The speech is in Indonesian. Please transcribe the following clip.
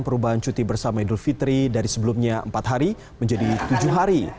perubahan cuti bersama idul fitri dari sebelumnya empat hari menjadi tujuh hari